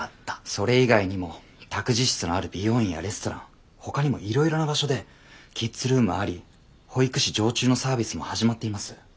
それ以外にも託児室のある美容院やレストランほかにもいろいろな場所で「キッズルームあり保育士常駐」のサービスも始まっています。